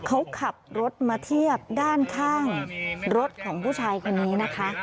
เขาขับรถมาเทียบด้านข้างรถของผู้ชายคนนี้นะคะ